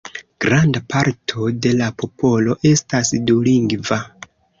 Granda parto de la popolo estas dulingva.